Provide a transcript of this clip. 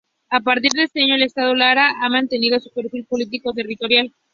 A partir de ese año, el Estado Lara ha mantenido su perfil político-territorial.